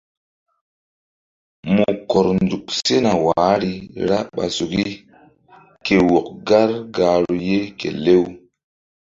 Mu kɔr nzuk sena wahri ra ɓa suki ke wɔk gar gahru ye ke lew.